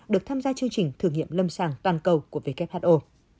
được tham gia chương trình thử nghiệm lâm sàng toàn cầu của who